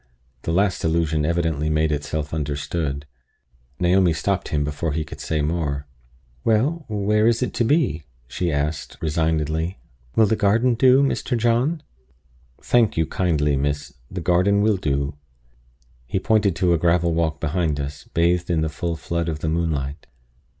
The last allusion evidently made itself understood. Naomi stopped him before he could say more. "Well, where is it to be?" she asked, resignedly. "Will the garden do, Mr. John?" "Thank you kindly, miss; the garden will do." He pointed to a gravel walk beyond us, bathed in the full flood of the moonlight.